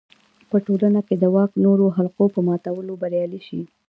په ټولنه کې د واک نورو حلقو په ماتولو بریالی شي.